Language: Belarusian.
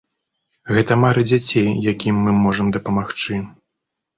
Гэта мары дзяцей, якім мы можам дапамагчы.